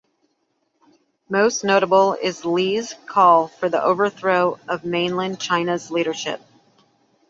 Most notable is Lee's call for the overthrow of mainland China's leadership.